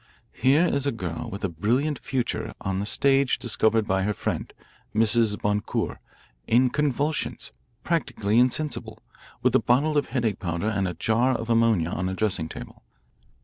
"Here is a girl with a brilliant future on the stage discovered by her friend, Mrs. Boncour, in convulsions practically insensible with a bottle of headache powder and a jar of ammonia on her dressing table.